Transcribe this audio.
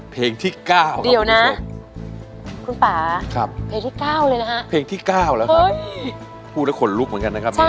เพลงที่๙เดี๋ยวนะคุณป่าเพลงที่๙เลยนะฮะเพลงที่๙แล้วครับพูดแล้วขนลุกเหมือนกันนะครับ